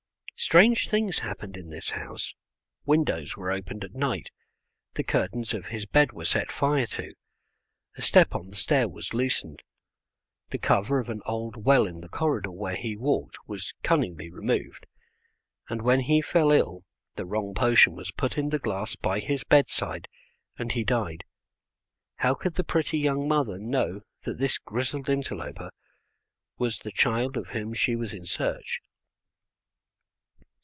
Strange things happened in this house. Windows were opened in the night. The curtains of his bed were set fire to. A step on the stair was loosened. The covering of an old well in a corridor where he walked was cunningly removed. And when he fell ill the wrong potion was put in the glass by his bedside, and he died. How could the pretty young mother know that this grizzled interloper was the child of whom she was in search?